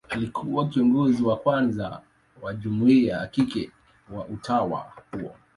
Alikuwa kiongozi wa kwanza wa jumuia ya kike wa utawa huo.